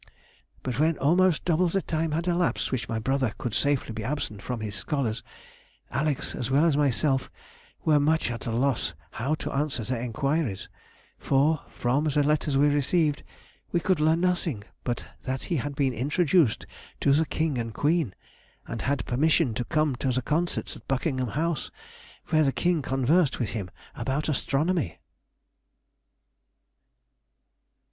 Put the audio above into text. "But when almost double the time had elapsed which my brother could safely be absent from his scholars, Alex, as well as myself, were much at a loss how to answer their inquiries, for, from the letters we received, we could learn nothing but that he had been introduced to the King and Queen, and had permission to come to the concerts at Buckingham House, where the King conversed with him about astronomy."